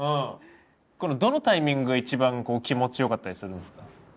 どのタイミングが一番気持ち良かったりするんですか？